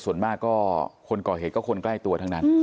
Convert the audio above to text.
ส่วนมากก็คนก่อเหตุก็คนใกล้ตัวทั้งนั้น